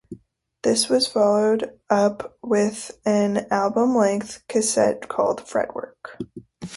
This was followed up with an album-length cassette called 'Fretwork'.